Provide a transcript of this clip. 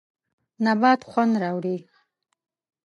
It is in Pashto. نبات خوند راوړي.